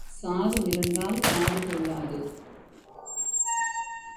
சாது மிரண்டால் காடு கொள்ளாது.